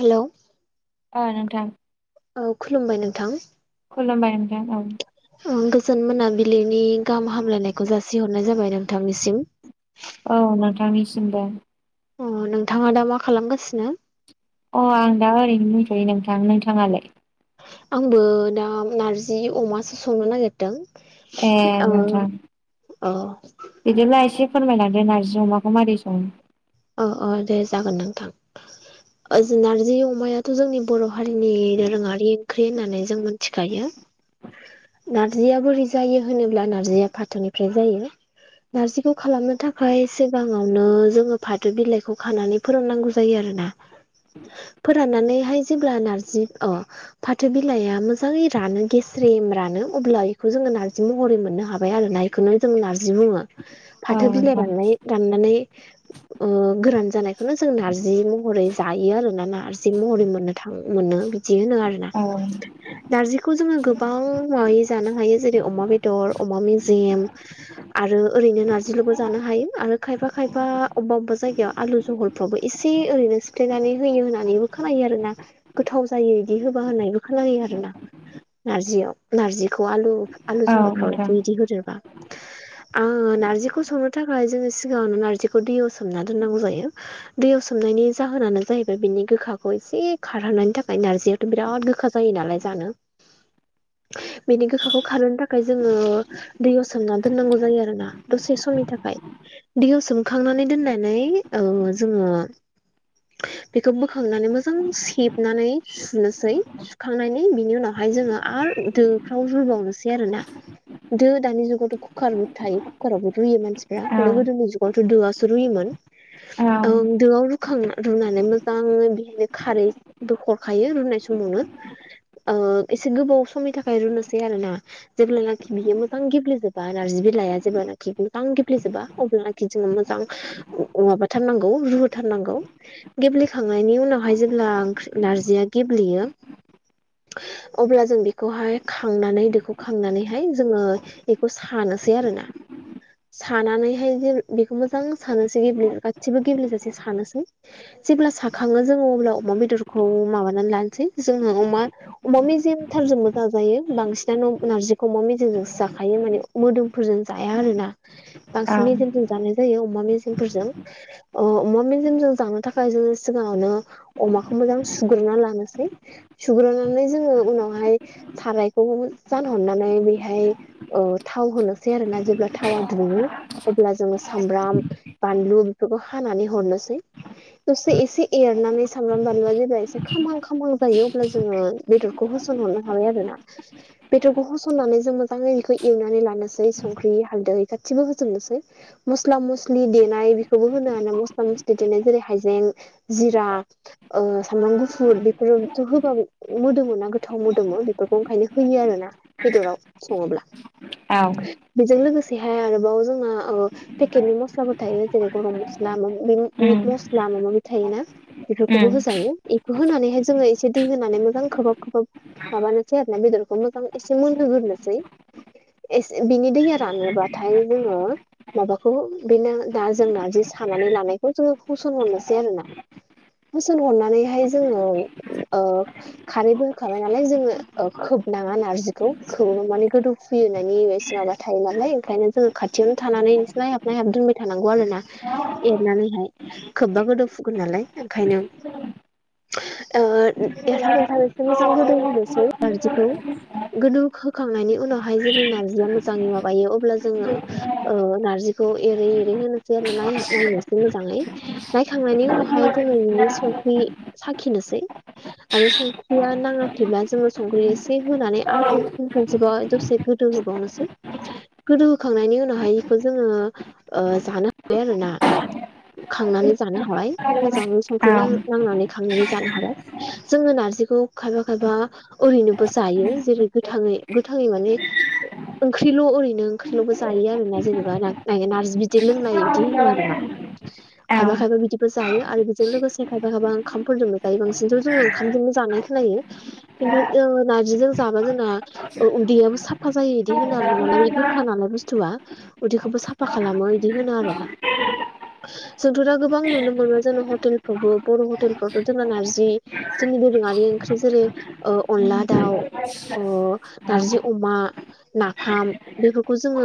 Hello. ओ नोंथां। औ खुलुमबाय नोंथां। खुलुमबाय नोंथां औ। गोजोन मोनाबिलिनि गाहाम हामलायनायखौ जासिहरनाय जाबाय नोंथांनिसिम। औ नोंथांनिसिमबो। अ नोंथाङा दा मा खालामगासिनो? अ आं दा ओरैनो दंथ'यो नोंथां नोंथाङालाय? आंबो दा नारजि अमासो संनो ए नागिरदों। नोंथां औ। बिदिब्ला एसे फोरमायलांदो नारजि अमाखौ मारै सङो। अ अ दे जागोन नोंथां नारजि अमाया थ' जोंनि बर' हारिनि दोरोङारि ओंख्रि होननानै जों मोनथिखायो। नार्जिया बोरै जायो होनोब्ला नार्जिया फाथोनिफ्राय जायो। नारजिखौ खालामनो थाखाय सिगाङावनो जोङो फाथो बिलाइखौ खानानै फोराननांगौ जायो आरोना फोराननानैहाय जेब्ला नारजि अह फाथो बिलाइआ मोजाङै रानो गेस्रेम रानो अब्ला बेखौ जोङो नारजि महरै मोननो हाबाय आरो ना। बेखौनो जों नारजि बुङो औ फाथो बिलाइ नोंथां रान्नाय राननानै ओ गोरान जानायखौनो जों नारजि महरै जायो आरो ना नार्जि महरै मोननो थां मोनो। जिस होनो आरो ना। औ नारजिखौ जोङो गोबां माबै जानो हायो जेरै अमा बेदर अमा मेजेम। आरो ओरैनो नारजिल'बो जानो हायो आरो खायफा खायफा अबेबा अबेबा जायगायाव आलु जहलफ्रावबो एसे ओरैनो सिफ्लेनानै होयो होननानैबो खोनायो आरो ना। गोथाव जायो इदि होबा होनायबो खालामोनो आरो ना नारजियाव नार्जिखौ आलु। आलु औ जहलफ्राव नोंथां बेखौ बिदि होदेरबा आङो नारजिखौ संनो थाखाय जोङो सिगाङावनो नारजिखौ बेखौ दैयाव सोमना दोननांगौ जायो। दैयाव सोमनायनि जाहोनानो जाहैबाय बिनि गोखाखौ एसे खारहोननि थाखाय नारजियाव बिराद गोखा जायो नालाय जानो बेनि गोखाखौ खारोनो थाखाय जोङो दैयाव सोमनानै दोननांगौ जायो आरोना दसे समनि थाखाय दैयाव सोम खांनानै दोननानै ओ जोङो बेखौ बोखांनानै मोजां सेबनानै सुनोसै सुखांनानै बिनि उनावहाय जोङो आरो दोफ्राव रुबावनोसै आरोना दो दानि जुगावथ' कुकारबो थायो कुकारावबो रुयो मानसिफ्रा औ खिन्थु गोदोनि जुगावथ' दोआवसो रुयोमोन। औ ओं दोआव रुखांना रुनानै मोजाङै बिदिनो खारैबो हरखायो रुनाय समावनो ओ एसे गोबाव समनि थाखाय रुनोसै आरो ना जेब्लानाखि बियो मोजां गेब्लेजोबा नार्जि बिलाइआ जेब्लानाखि मोजां गेब्लेजोबा अब्लानख खि जों मोजां माबाथारनांगौ रुथारनांगौ गेब्लेखांनायनि उनावहाय जेब्ला ओंख्रि नारजिया गेब्लेयो अब्ला जों बेखौहाय खांनानै दोखौ खांनानैहाय जोङो बेखौ सानोसै आरो ना सानानैहाय जे बेखौ मोजां सानोसै गेब्ल गासिबो गेब्लेेजासे सानोसै जेब्ला साखखङो जोङो अब्ला अमा बेदरखौ माबानानै लानोसै जोङो अमा अमा मेजेम थारजोंबो जाजायो बांसिनानो नारजिखौ अमा मेजेमजोंसो जाखायो माने मोदोमफोरजों जाया आरोना बांसिन औ मेजेमजों जानाय जायो अमा मेजेमफोरजों अमा मेजेमजों जानो थाखाय जों सिगाङावनो अमाखौ मोजां सुग्रोना लानोसै। सुग्रोनानै जोङो उनावहाय थारायखौ जानहरनानै बेहाय थाव होनोसै आरोना जेब्ला थावा दुङो अब्ला जोङो सामब्राम बानलु बेफोरखौ हानानै हरनोसै दसे एसे एरनानै सामब्राम बानलुआ जेब्ला एसे खामां खामां जायो अब्ला जोङो बेदर होसन हरनो हाबाय आरोना। बेदरखौ होसननानै जों मोजाङै बेखौ एवनानै लानोसै संख्रि हालदै गासिबो होजोबनोसै मस्ला मस्लि देनाय बेखौबो होनो हा मस्ला मस्लि बिदिनो जेरै हायजें जिरा सामब्राम गुफुर बेफोरथ' होबाबो मोदोमो ना गोथाव मोदोमो बेफोरखौ ओंखायनो होयो आरो ना बेदराव सङोब्ला औ बेजों लोगोसे हाय आरोबाव जोंना पेकेट नि मस्लाबो थायो जेरै गरम मस्ला मिट मस्ला माबा माबि थायोना बेफोरखौबो होजायो होनानैहाय जोङो एसे दै होनानै मोजां खोबहाब खोबहाब माबानोसै आरोनाना बेदरखौ मोजां एसे मोनहोगोरनोसै एसे बिनि दैया रानोबाथाय जोङो माबाखौ बि ना दा जों नारजि सानानै लानायखौ जोङो होसनहरनोसै आरोना होसनहरनानैहाय जोङो ओ खारैबो होखाबाय नालाय जोङो ओ खोबनाङा नारजिखौ खोबोबा माने गोदौ फुयोनानै एसे माबा थायो नालाय ओंखायनो जोङो खाथियावनो थानानै नोंस नायहाब नायहाब दोनबाय थानांगौ आरो ना। एरनानै खोबबा गोदौफुगोन नालाय ओंखायनो ओ एरहाब एरहाब एसे मोजां गोदौ उम होनोसै नारजिखौ उम गोदौ होखांनायनि उनावहाय जेब्ला नार्जिया मोजाङै माबायो अब्ला जोङो औ नारजिखौ एरै एरै होनोसै आरो नायनोसै मोजाङै नायखांनायनि उनावहाय जोङो बिनो संख्रि साखिनोसै आरो संख्रिया नाङाखैब्ला जोङो संख्रि एसे होनानै आरो खन-खोनसेबाव दसे गोदौ होबावनोसै गोदौहोखांनायनि उनावहाय बेखौ जोङो ओ जानो हाबाय आरोना खांनानै जानो हाबाय मोजाङै संख्रि नां-नांनानै खांनानै जानो हाबाय जोङो नारजिखौ खायफा खायफा ओरैनोबो जायो जेरै गोथाङै गोथाङै माने [inaudible] ओंख्रिल' ओरैनो ओंख्रिल'बो जायो आरो ना जेनेबा नाय नारजि बिदै लोंनाय बिदि होनो आरोना [unintelligible] खायफा खायबा बिदिबो जायो आरो बेजों लोगोसे खायफा खायफा ओंखामफोरजोंनो जायो बांसिनथ' जोंङो ओंखामजोंनो जानाय खोनायो खिन्थु जोङो नारजिजों जाबा जोंना उदैयाबो साफा जायो इदि होनो आरोना मानोना बे गोखा नालाय बुस्थुआ उदैखौबो साफा खालामो इदि होनो आरोना जोंथ' दा गोबां नुनो मोनो जोंना हटेलफ्रावबो बर' हटेलफ्रावथ' जोंना नारजि जोंनि दोरोङारि ओंख्रि जेरै अनला दाउ अ औ औ नारजि अमा नाफाम बेफोरखौ जोङो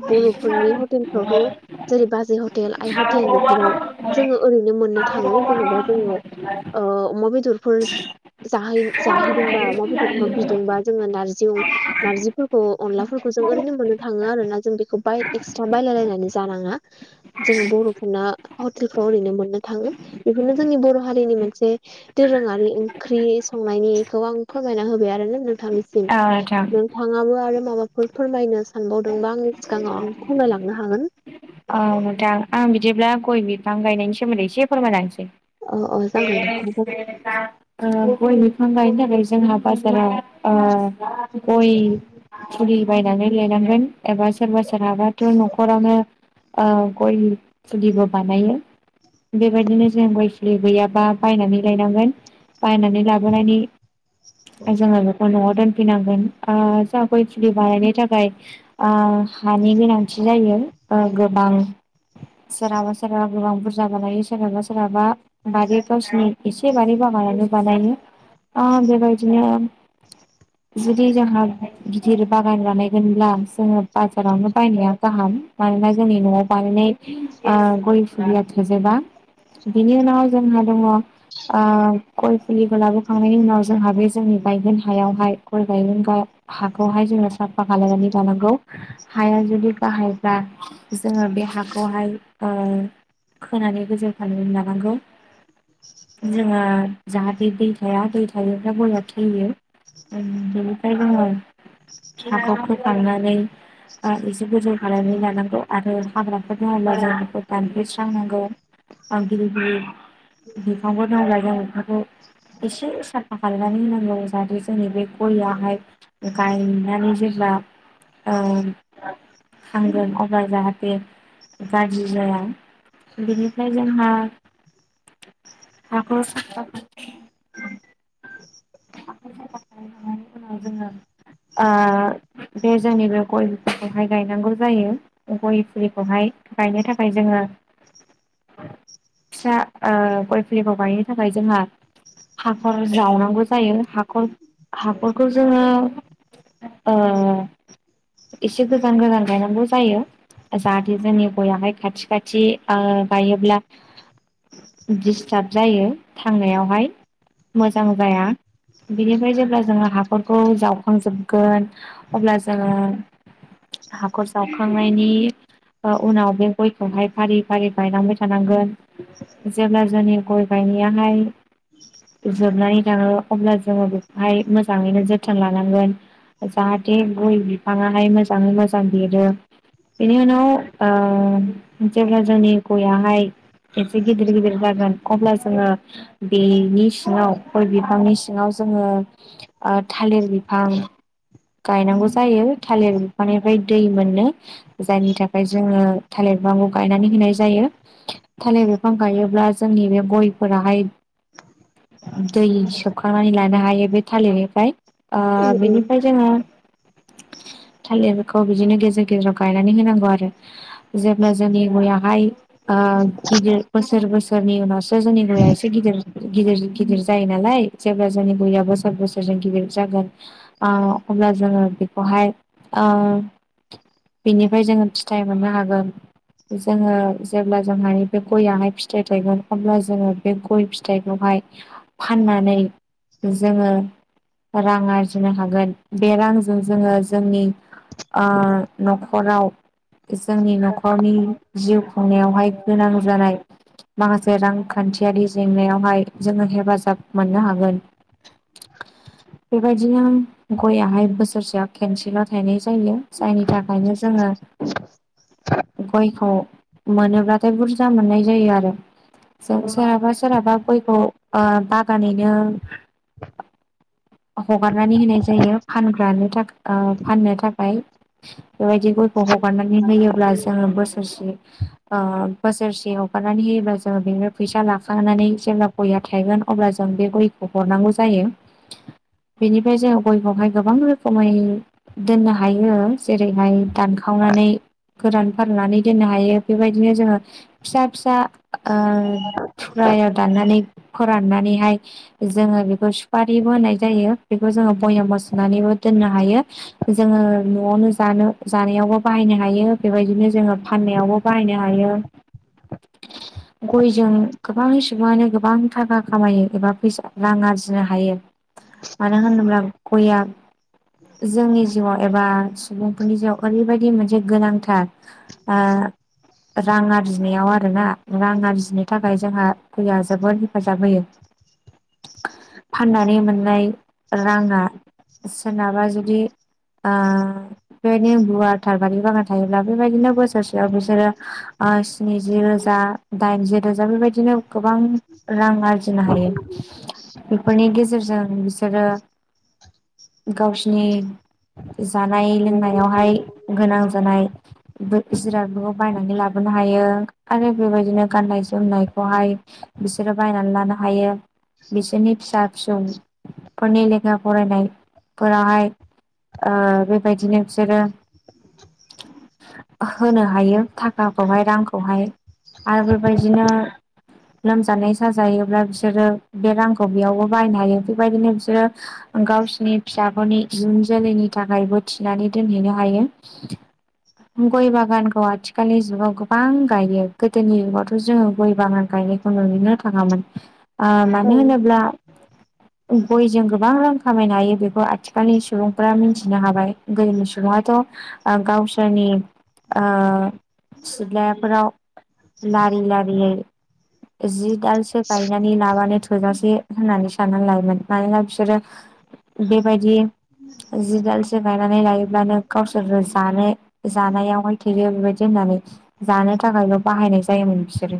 औ हटेलफ्रावथ' नोंथां जेरै बाजै हटेल आइ हटेल बेफोराव जोङो ओरैनो मोननो थाङो जेनेबा जोङो ओ अमा बेदरफोर जाहै-जाहैदोंबा अमा बेदरफोर बिदोंबा जोङो नारजि नारजिफोरखौ अनलाफोरखौ जों ओरैनो मोननो थाङो आरोना जों बेखौ बाय एक्सट्रा बायलायलायनानै जानाङा जोङो बर'फोरना हटेलफ्राव ओरैनो मोननो थाङो बेखौनो जोंनि बर' हारिनि मोनसे दोरोङारि ओंख्रि संनायनिखौ आं फोरमायना होबाय आरोना नोंथांनिसिम नोंथाङाबो आरो माबाफोर फोरमायनो सानबावदोंबा आंनि सिगाङाव आं फोरमायलांनो हागोन औ नोंथां आं बिदिब्ला गय बिफां गायनायनि सोमोन्दै एसे फोरमायलांसै अ अ जागोन [unintelligible] नोंथां [unintelligible] ओ गय बिफां गायनो थाखाय जोंहा बाजाराव गय फुलि बायनानै लायनांगोन एबा सोरबा सोरहाबाथ' नखरावनो ओ गय फुलिबो बानायो बेबायदिनो जों गय फुलि गैयाबा बायनानै लायनांगोन बायनानै लाबोनायनि जोङो बेखौ न'आव दोन फैनांगोन आ जोंहा गय फुलि बानायनो थाखाय आ हानि गोनांथि जायो गोबां सोरहाबा सोरहाबा गोबां बुरजा बानायो सोरहाबा सोरहाबा बारि गावसिनि एसे बारि बागानावनो बानायो ओ बेबायदिनो [inaudible] जुदि जोंहा गिदिर बागान बानायगोनब्ला जोङो बाजारावनो बायनाया गाहाम मानोना जोंनि न'आव बानायनाय गय फुलिया थोजोबा बिनि उनाव जोंहा दङ गय फुलिखौ लाबोखांनायनि उनाव जोंहा बे जोंनि गायगोन हायावहाय खल गायगोन गा हाखौहाय जोङो साफा खालनानै लानांगौ हाया जुदि गाहाय बा जोङो बे हाखौहाय खोनानै गोजौ फाननानै लानांगौ जोङो जाहाथे दै थाया दै थायोब्ला गयार थैयो ओ बेनिफ्राय जोङो हाखौ फोखांनानै ओ एसे गोजौ हानानै लानांगौ आरो हाग्राफोर दङब्ला जों बेखौ दानफायस्रांनांगौ आं गिदिर गिदिर बिफांबो दं लायगां बिफांखौ एसे साफा खालामनानै होनांगौ जाहाथे जोंनि बे गइयाहाय गायनानै जेब्ला ओ थांगोन अब्ला जाहाथे गाज्रि जाया बिनिफ्राय जोंहा हाखौ साफा खा साफा खालामखांनायनि उनाव जोङो बे जोंनि बे गय बिफांखौहाय गायनांगौ जायो गय फुलिखौहाय गायनो थाखाय जोङो [inaudible] फिसा ओ गय फुलिखौ गायनो थाखाय जोंहा हाखर ज्रावनांगौ जायो हाखर हाखरखौ जोङो एसे गोजान गोजान गायनांगौ जायो जाहाथे जोंनि गयाहाय खाथि खाथि गायोब्ला दिसथाब जायो थांनायावहाय मोजां जाया बिनिफ्राय जेब्ला जोङो हारफोरखौ जावखांजोबगोन अब्ला जोङो हाखर जावखांनायनि उनाव बे गयखौहाय फारि फारि बायनांबाय थानांगोन जेब्ला जोंनि गय गायनायाहाय जोबनानै थाङो अब्ला जोङो बेखौहाय मोजाङैनो जोथोन लानांगोन जाहाथे गय बिफाङाहाय मोजाङै मोजां देरो बेनि उनाव ओ जेब्ला जोंनि गययाहाय एसे गिदिर गिदिर जागोन अब्ला जोङो बेनि सिङाव गय बिफांनि सि सिङाव जोङो ओ थालिर बिफां गायनांगौ जायो थालिर बिफानिफ्राय दै मोनो जायनि थाखाय जोङो थालिर बिांखौ गायनानै होनाय जायो थालिर बिफां गायोब्ला जोंनि बे गयफोराहाय दै सोबखनानै लानो हायो बे थालिरनिफ्राय ओ जागोन बेनिफ्राय जोङो थालिरफोरखौ बिदिनो गेजेर गेजेराव गायनानै होनांगौ आरो जेब्ला जोंनि गयाहाय ओ गिदिर बोसोर बोसोरनि उनावसो जोंनि गया एसे गिदिर गिदिर गिदिर जायो नालाय जेब्ला जोंनि गया बोसोर बोसोर जों गिदिर जागोन आ अब्ला जोङो बेखौहाय आ बिनिफ्राय जोङो फिथाइ मोननो हागोन जोङो जेब्ला जोंहानि बे गययहाय फिथाइ थायगोन अब्ला जोङो बे गय फिथाइखौहाय फाननानै जोङो रां आरजिनो हागोन बे रांजों जोङो जोंनि ओ न'खराव जोंनि न'खरनि जिउ खुंनायावहाय गोनां जानाय माखासे रांखान्थियारि जेंनायावहाय जोङो हेफाजाब मोननो हागोन बेबायदिनो गयाहाय बोसोरसेयाव केनसेलाव थायनाय जायो जायनि थाखायनो जोङो [inaudible] गयखौ मोनोब्लाथाय बुरजा मोननाय जायो आरो। जों सोरहाबा सोरहाबा गयखौ ओ बागानैनो हगारनानै होनाय जायो फानग्रानो थाख ओ फाननो थाखाय। बेबायदि गयखौ हगारनानै होयोब्ला उम जोङो बोसोरसे ओ बोसोरसे हगारनानै होयोब्ला जोङो बेनिफ्राय फैसा लाखानानै जेब्ला गया थायगोन अब्ला जों बे गयखौ हरनांगौ जायो। बेनिफ्राय जोङो गयखौहाय गोबां रोखोमै दोननो हायो जेरैहाय दानखावनानै गोरान फाननानै दोननो हायो बेबायदिनो जोङो फिसा फिसा ओ थुख्रायाव दाननानै फोराननानैहाय जोङो बेखौ सुपारिबो होनाय जायो बेखौ जोङो बयाम म सुनानैबो दोननो हायो जोङो न'आवनो जानो जानायावबो बाहायनो हायो बेबायदिनो जोङो फाननायावबो बाहायनो हायो [inaudible] गयजों गोबां सुबुङानो गोबां थाखा खामायो एबा फैसा रां आरजिनो हायो मानो होनोब्ला गयआ जोंनि जिउआव एबा सुबुंफोरनि जिउआव ओरैबायदि मोनसे गोनांथार ओ रां आरजिनायाव आरोना रां आरजिनो थाखाय जोंहा दैया जोबोद हेफाजाब होयो। फाननानै मोननाय राङा सोरनाबा जुदि ओ बेबायदिनो गुवार थार बारि बागान थायोब्ला बेबायदिनो बोसोरसेयाव बिसोरो ओ स्निजि रोजा दाइनजि रोजा बेबायदिनो गोबां रां आरजिनो हायो। फोरनि गेजेरजों बिसोरो गावसिनि जानाय लोंनायावहाय उम गोनां जानाय जिरादफोरखौ बायनानै लाबोनो हायो आरो बेबायदिनो गाननाय जोमनायखौहाय बिसोरो बायनानै लानो हायो। बिसोरनि फिसा फिसौफोरनि लेखा फरायनायफोराहाय ओ बेबायदिनो बिसोरो होनो हायो थाखाखौहाय रांखौहाय। आरो बेबायदिनो लोमजानाय साजायोब्ला बिसोरो बे रांखौ बेयावबो बाहायनो हायो बेबायदिनो बिसोरो गावसिनि फिसाफोरनि इयुन जोलैनि थाखायबो थिनानै दोनहैनो हायो। [inaudible] गय बागानखौ आथिखालनि जुगाव गोबां गायो। गोदोनि जुगावथ' जोङो गय बागान गायनायखौ नुनोनो थाङामोन ओ औ मानो होनोब्ला [inaudible] गयजों गोबां रां खामायनो हायो बेखौ आथिखालनि सुबुंफोरा मिथिनो हाबाय। गोदोनि सुबुंडाथ' ओ गावसोरनि ओ सिथ्लाफोराव लारि लारियै जि दालसो गायनानै लाबानो थ थोजासे होननानै साननानै लायोमोन। मानोना बिसोरो बेबायदि जि दालसो गायनानै लायोब्लानो गावसोरबो जानो जानायावहाय थोयो बेबायदि होननानै जानो थाखायल' बाहायनाय जायोमोन बिसोरो।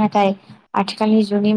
नाथाय आथिखालनि जुगनि